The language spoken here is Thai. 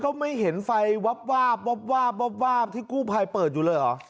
ก็ไม่เห็นไฟวับวาบวับวาบวับวาบที่กู้ไพเปิดอยู่เลยเหรอ